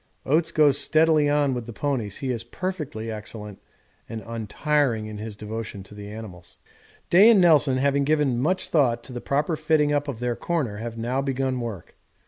Oates goes steadily on with the ponies he is perfectly excellent and untiring in his devotion to the animals. Day and Nelson, having given much thought to the proper fitting up of their corner, have now begun work.